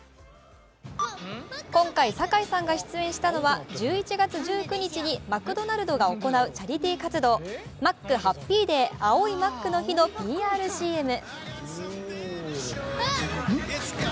今回、堺さんが出演したのは１１月１９日にマクドナルドが行うチャリティー活動、マックハッピーデー青いマックの日のＰＲＣＭ。